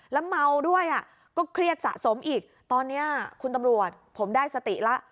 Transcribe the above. แล้วเมาด้วยอ่ะก็เครียดสะสมอีกตอนนี้คุณตำรวจผมได้สติแล้ว